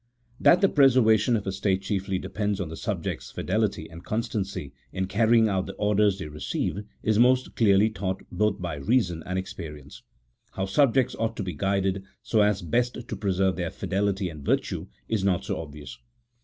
That the preservation of a state chiefly depends on the subjects' fidelity and constancy in carrying out the orders they receive, is most clearly taught both by reason and ex perience ; how subjects ought to be guided so as best to preserve their fidelity and virtue is not so obvious.